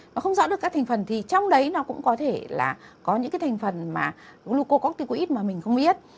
nó không rõ được các thành phần thì trong đấy nó cũng có thể là có những cái thành phần mà gluco corticoid mà mình không biết